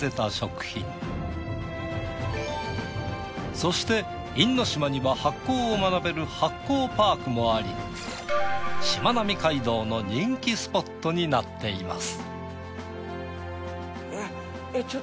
そして因島には発酵を学べるしまなみ海道の人気スポットになっています。